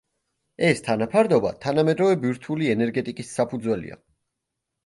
ეს თანაფარდობა თანამედროვე ბირთვული ენერგეტიკის საფუძველია.